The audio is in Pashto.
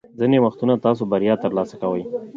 ځینې وختونه تاسو بریا ترلاسه کوئ.